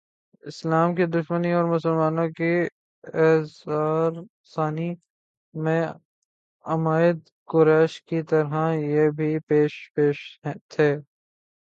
اسلام کی دشمنی اورمسلمانوں کی ایذارسانی میں عمائد قریش کی طرح یہ بھی پیش پیش تھے